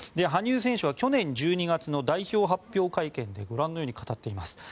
羽生選手は去年１２月の代表発表会見でご覧のように語っています。